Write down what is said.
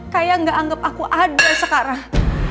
kayak gak anggap aku ada sekarang